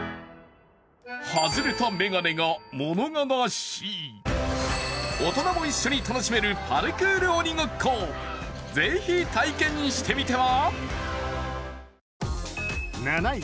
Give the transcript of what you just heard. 外れた眼鏡が、物悲しい大人も一緒に楽しめるパルクール鬼ごっこ、是非、体験してみては？